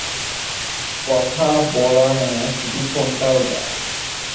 কথা বল না শুধু ফোনটা দাও।